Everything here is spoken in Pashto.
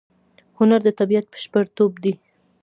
هنر د طبیعت بشپړتوب دی.